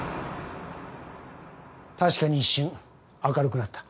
確かに一瞬明るくなった。